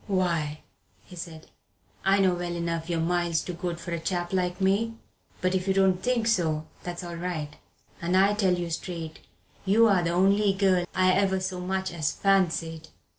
"Why," he said, "I know well enough you're miles too good for a chap like me but if you don't think so, that's all right. And I tell you straight, you're the only girl I ever so much as fancied."